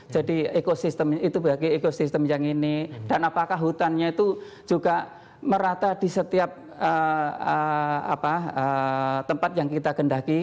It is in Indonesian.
jadi ekosistemnya itu bagi ekosistem yang ini dan apakah hutannya itu juga merata di setiap tempat yang kita gendaki